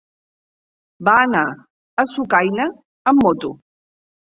Va anar a Sucaina amb moto.